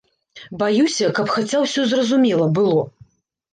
Баюся, каб хаця ўсё зразумела было.